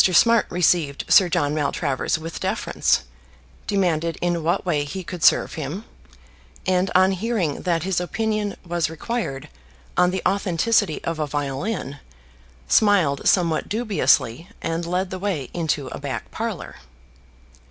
Smart received Sir John Maltravers with deference, demanded in what way he could serve him; and on hearing that his opinion was required on the authenticity of a violin, smiled somewhat dubiously and led the way into a back parlour.